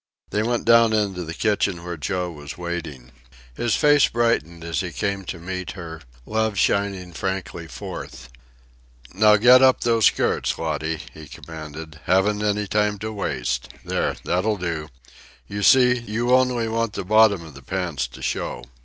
They went down into the kitchen where Joe was waiting. His face brightened as he came to meet her, love shining frankly forth. "Now get up those skirts, Lottie," he commanded. "Haven't any time to waste. There, that'll do. You see, you only want the bottoms of the pants to show.